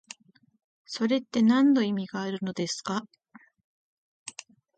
それってなんの意味があるのですか？